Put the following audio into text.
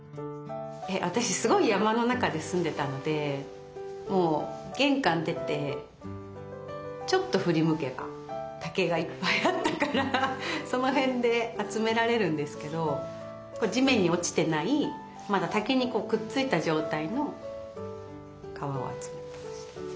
私すごい山の中で住んでたので玄関出てちょっと振り向けば竹がいっぱいあったからその辺で集められるんですけど地面に落ちてないまだ竹にくっついた状態の皮を集めていました。